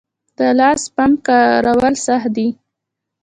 د لاس پمپ کارول سخت دي؟